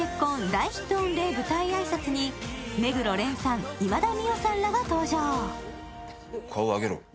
大ヒット御礼舞台挨拶に目黒蓮さん、今田美桜さんらが登場。